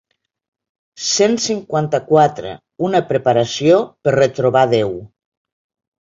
Cent cinquanta-quatre una preparació per retrobar Déu.